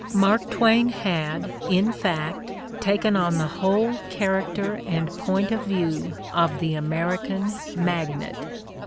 Mark Twain had, in fact, taken on the whole charac ter and point of view of the American magnate.